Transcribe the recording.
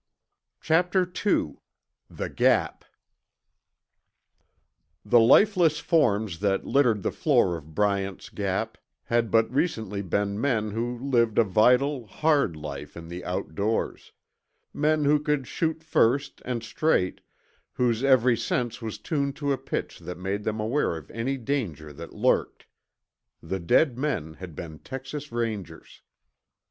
Chapter II THE GAP The lifeless forms that littered the floor of Bryant's Gap had but recently been men who lived a vital, hard life in the outdoors; men who could shoot fast and straight, whose every sense was tuned to a pitch that made them aware of any danger that lurked. The dead men had been Texas Rangers.